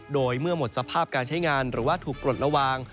โดยเมื่อหมดสภาพการใช้งานหรือว่าถูกปลดระวัง